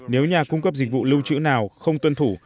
nếu nhà cung cấp dịch vụ lưu trữ nào không tuân thủ